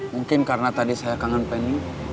mungkin karena tadi saya kangen penyu